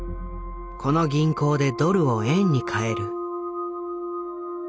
この銀行でドルを円に替える。